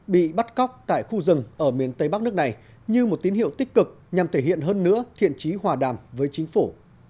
bị bắt cóc tại khu rừng ở miền tây bắc nước này như một tín hiệu tích cực nhằm thể hiện hơn nữa thiện trí hòa đàm với chính phủ